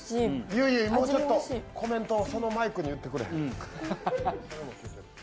ゆいゆい、もうちょっとコメントをそのマイクに言ってくれへん？